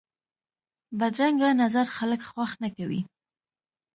بدرنګه نظر خلک خوښ نه کوي